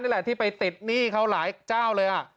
นี่แหละที่ไปติดหนี้เขาหลายเจ้าเลย